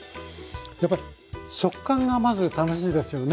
やっぱり食感がまず楽しいですよね。